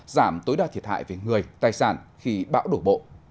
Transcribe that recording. giảm tối đa thiệt hại về người tài sản khi bão đổ bộ